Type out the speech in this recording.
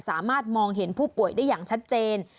สามารถมองเห็นผู้ป่วยได้อย่างชัดเจน